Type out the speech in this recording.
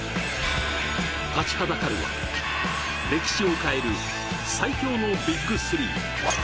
立ちはだかるは、歴史を変える最強のＢＩＧ３。